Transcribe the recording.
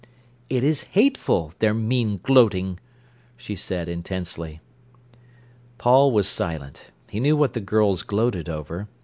"It is hateful, their mean gloating," she said intensely. Paul was silent. He knew what the girls gloated over.